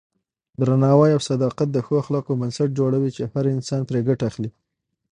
درناوی او صداقت د ښو اخلاقو بنسټ جوړوي چې هر انسان پرې ګټه اخلي.